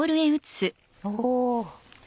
お！